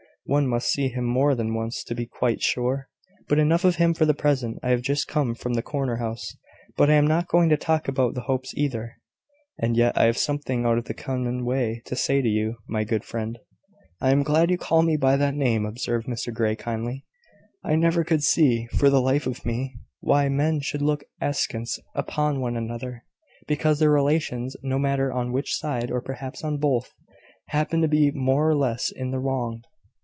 One must see him more than once to be quite sure. But enough of him for the present. I have just come from the corner house; but I am not going to talk about the Hopes either: and yet I have something out of the common way to say to you, my good friend." "I am glad you call me by that name," observed Mr Grey, kindly. "I never could see, for the life of me, why men should look askance upon one another, because their relations, (no matter on which side, or perhaps on both), happen to be more or less in the wrong."